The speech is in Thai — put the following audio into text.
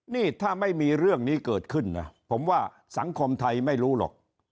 นี่ถ้าไม่มีเรื่องนี้เกิดขึ้นนะผมว่าสังคมไทยไม่รู้หรอก